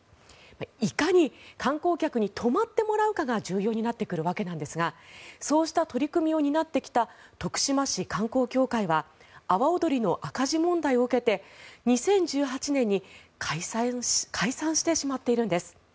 いかに観光客に泊まってもらうかが重要になってくるわけですがそうした取り組みを担ってきた徳島市観光協会は阿波おどりの赤字問題を受けて２０１８年に解散してしまっているんです。